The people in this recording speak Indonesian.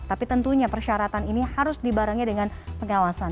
tapi tentunya persyaratan ini harus dibarengi dengan pengawasan